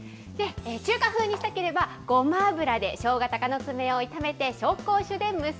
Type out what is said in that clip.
中華風にしたければ、ごま油でしょうが、たかの爪を炒めて、紹興酒で蒸す。